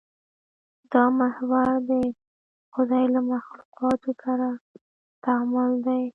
دا محور د خدای له مخلوقاتو سره تعامل دی.